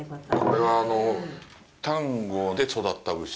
これは丹後で育った牛？